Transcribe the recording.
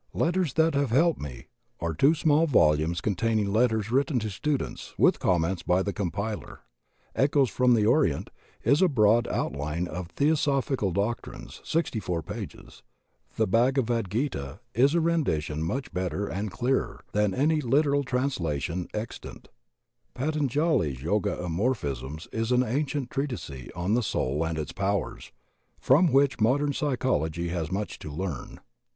''Letters That Have Helped Me," are two small volumes con taining letters written to students, with comments by the compiler; "Echoes From the Orient." is a broad outline of Theosophical doctrines, 64 pages; "The Bhagavad Gita" is a rendition, much better and clearer than any literal translation extant; "Patanjali's Yoga Aphorisms" is an ancient treatise on the Soul and its powers, from which modem psychology has much to learn.